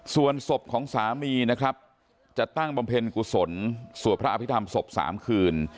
ส่วนศพของสามีนะครับจะตั้งบำเพ็ญกุศลสวดพระอภิษฐรรมศพ๓คืน